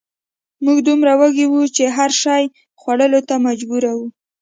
موږ دومره وږي وو چې هر شي خوړلو ته مجبور وو